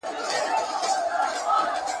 ته هم وایه ژوند دي څرنګه تیریږي !.